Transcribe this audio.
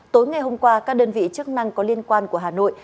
tối ngày hôm qua các đơn vị chức năng có liên quan của hà nội